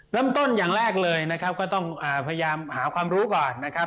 เริ่มต้นอย่างแรกเลยนะครับก็ต้องพยายามหาความรู้ก่อนนะครับ